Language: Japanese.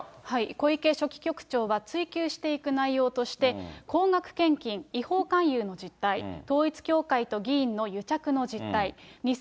小池書記局長は、追及していく内容として、高額献金、違法勧誘の実態、統一教会と議員の癒着の実態。